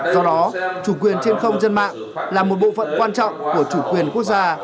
do đó chủ quyền trên không gian mạng là một bộ phận quan trọng của chủ quyền quốc gia